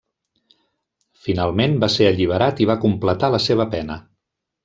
Finalment va ser alliberat i va completar la seva pena.